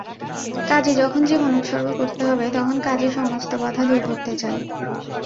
কাজে যখন জীবন উৎসর্গ করতে হবে তখন কাজের সমস্ত বাধা দূর করতে চাই।